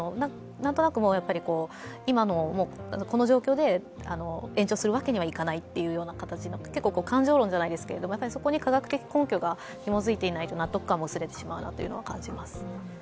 何となく今のこの状況で延長するわけにはいかないという形の結構感情論じゃないですけど、そこに科学的根拠がひも付いてないと納得感も薄れてしまうなというのを感じます。